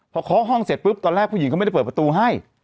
พอเคาะห้องเสร็จปุ๊บตอนแรกผู้หญิงเขาไม่ได้เปิดประตูให้